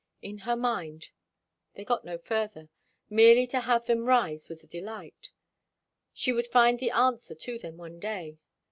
In her mind; they got no further; merely to have them rise was a delight; she would find the answer to them some day.